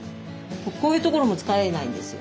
こういうところも使えないんですよ。